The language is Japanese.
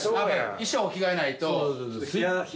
衣装着替えないと。